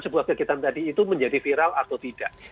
sebuah kegiatan tadi itu menjadi viral atau tidak